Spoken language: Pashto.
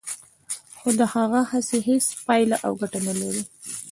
خو د هغه هڅې هیڅ پایله او ګټه نه لري